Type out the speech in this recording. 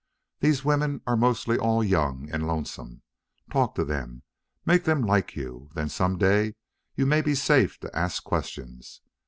These women are most all young and lonesome. Talk to them. Make them like you. Then some day you may be safe to ask questions.